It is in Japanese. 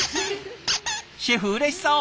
シェフうれしそう！